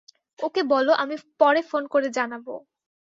ওকে বলো আমি পরে ফোন করে জানাবো।